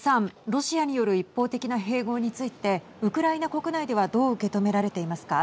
ロシアによる一方的な併合についてウクライナ国内ではどう受け止められていますか。